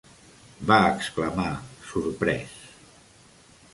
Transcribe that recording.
va exclamar, sorprès.